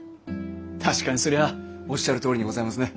確かにそりゃあおっしゃるとおりにございますね。